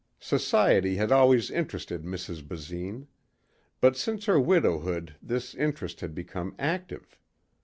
Society had always interested Mrs. Basine. But since her widowhood this interest had become active.